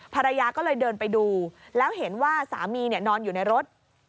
ภรรยาก็เลยเดินไปดูแล้วเห็นว่าสามีนอนอยู่ในรถ